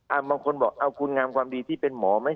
บางคนบอกเอาคุณงามความดีที่เป็นหมอไหม